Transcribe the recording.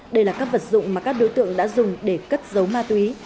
đây là các vật dụng mà các đối tượng đã dùng để cất giấu ma túy